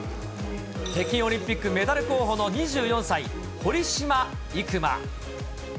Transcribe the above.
北京オリンピックメダル候補の２４歳、堀島行真。